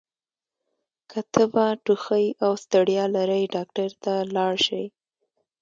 که تبه، ټوخۍ او ستړیا لرئ ډاکټر ته لاړ شئ!